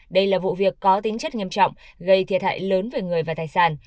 đây là vụ việc có tính chất nghiêm trọng gây thiệt hại lớn về người và tài sản